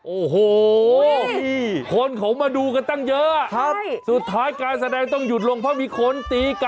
โอ้โหคนเขามาดูกันตั้งเยอะสุดท้ายการแสดงต้องหยุดลงเพราะมีคนตีกัน